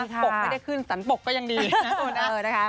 ปกไม่ได้ขึ้นสรรปกก็ยังดีนะคุณนะคะ